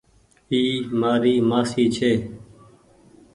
اي مآري مآسي ڇي۔